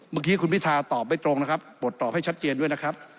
เมื่อกี้คุณพิทาตอบไม่ตรงนะครับบทตอบให้ชัดเจนด้วยนะครับ